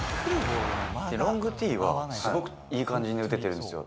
ロングティーは、すごくいい感じで打ててるんですよ。